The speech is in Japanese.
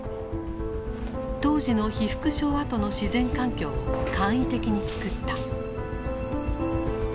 当時の被服廠跡の自然環境を簡易的に作った。